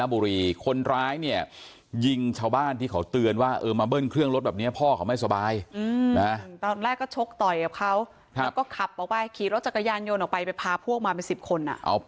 พี่โรจักยานยนต์ออกไปไปพาพวกมา๑๐คน